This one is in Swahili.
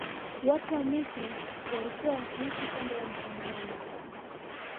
Watu wa misri walikua wakiishi kando ya mto naili